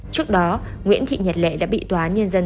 trước đó nguyễn thị nhật lệ đã bị tòa án nhân dân